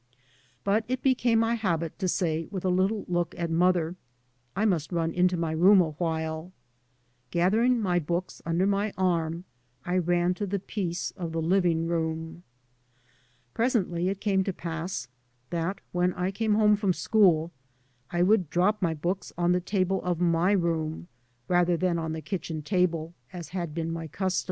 But it became my habit to say, with a little look at mother: "I must run into my room a while." Gathering my books under my arm I ran to the peace of the living room. Presently it came to pass that, when I came home from school, I would drop my books on the table of my room, rather than on the kitchen table, as had been my custom.